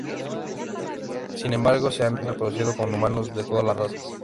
Sin embargo, se han reproducido con humanos de todas las razas.